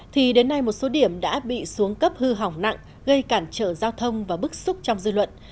thì đến nay một số điểm đã bị xuống cấp hư hỏng nặng gây cản trở giao thông và bức xúc trong dư luận